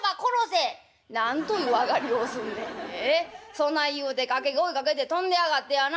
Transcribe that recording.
そない言うて掛け声かけて跳んで上がってやな